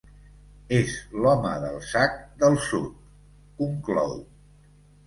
És l'home del sac del sud —conclou—.